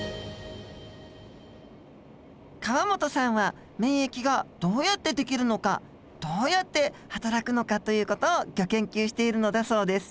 河本さんは免疫がどうやって出来るのかどうやってはたらくのかという事をギョ研究しているのだそうです。